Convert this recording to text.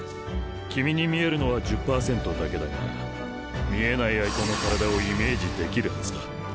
君に見えるのは１０％だけだが見えない相手の体をイメージできるはずだ。